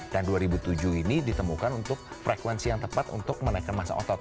dan dua ribu tujuh ini ditemukan untuk frekuensi yang tepat untuk menaikkan masa otot